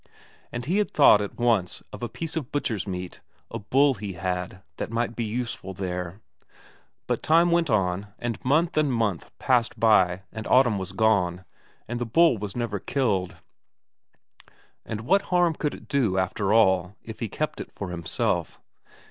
And he had thought at once of a piece of butcher's meat, a bull he had, that might be useful there. But time went on, and month and month passed by and autumn was gone, and the bull was never killed. And what harm could it do, after all, if he kept it for himself?